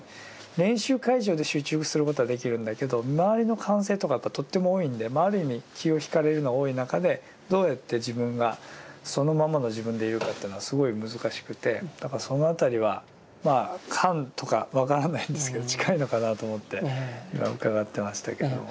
練習会場で集中することはできるんだけど周りの歓声とかがとっても多いんである意味気を引かれるのが多い中でどうやって自分がそのままの自分でいるかというのはすごい難しくてだからその辺りはまあ「観」とか分からないんですけど近いのかなと思って伺ってましたけども。